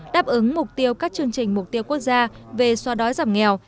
đáp ứng mục tiêu các chương trình mục tiêu quốc gia về xóa đói giảm nghèo